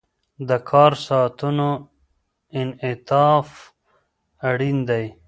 د کار ساعتونو انعطاف اړین دی.